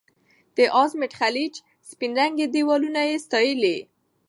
د ازمېت خلیج سپین رنګي دیوالونه یې ستایلي.